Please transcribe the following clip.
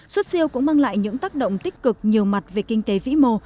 xuất siêu cũng mang lại những tác động tích cực nhiều mặt về kinh tế vĩ mô